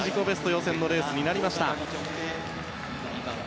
予選のレースになりました。